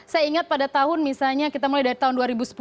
saya ingat pada tahun misalnya kita mulai dari tahun dua ribu sepuluh